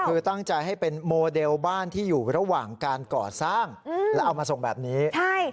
คือตั้งใจให้เป็นโมเดลบ้านที่อยู่ระหว่างการก่อสร้างแล้วเอามาส่งแบบนี้ใช่